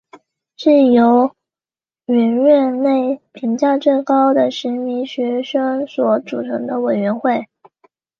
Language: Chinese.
是由远月内评价最高的十名学生所组成的委员会。